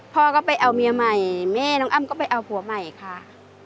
พ่อก็ไปเอาเมียใหม่แม่น้องอ้ำก็ไปเอาผัวใหม่ค่ะ